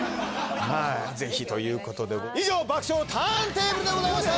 ・はいぜひということで以上「爆笑！ターンテーブル」でございました